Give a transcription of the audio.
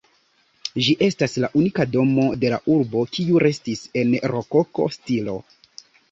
Ĝi estas la unika domo de la urbo kiu restis en rokoko stilo.